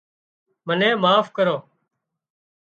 منين معاف ڪرو